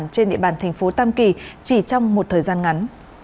trên địa bàn thành phố tam kỳ chỉ trong một thời gian ngắn